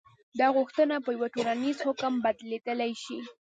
دا غوښتنه په یوه ټولیز حکم بدلېدلی شي.